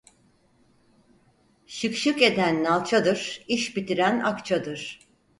Şık şık eden nalçadır, iş bitiren akçadır.